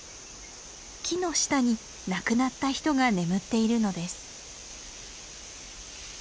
木の下に亡くなった人が眠っているのです。